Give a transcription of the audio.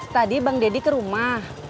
tadi bang deddy ke rumah